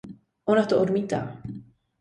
Ona to odmítá.